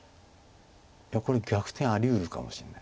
いやこれ逆転ありうるかもしれない。